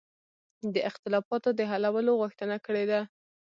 د اختلافاتو د حلولو غوښتنه کړې ده.